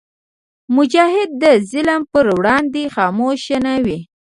مجاهد د ظلم پر وړاندې خاموش نه وي.